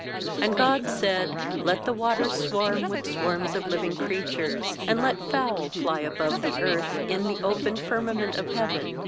20And God said: 'Let the waters swarm with swarms of living creatures, and let fowl fly above the earth in the open firmament of heaven.'